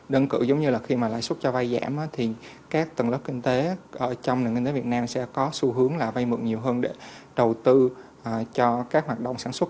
đơn cựu giống như là khi mà lãi suất cho vay giảm thì các tầng lớp kinh tế trong nền kinh tế việt nam sẽ có xu hướng là vay mượn nhiều hơn để đầu tư cho các hoạt động sản xuất